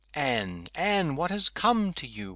Anne! Anne! what has come to you?